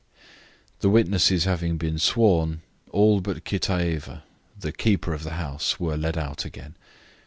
The witnesses having been sworn, all but Kitaeva, the keeper of the house, were led out again.